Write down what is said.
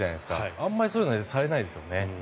あまりそういうのはされないですよね。